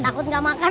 takut gak makan